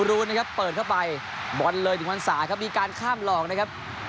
รูนนะครับเปิดเข้าไปบอลเลยถึงพรรษาครับมีการข้ามหลอกนะครับ